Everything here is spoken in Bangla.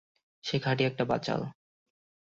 সে খাঁটি একটা বাচাল।